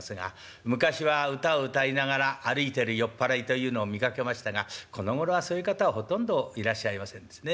昔は歌を歌いながら歩いてる酔っ払いというのを見かけましたがこのごろはそういう方はほとんどいらっしゃいませんですね。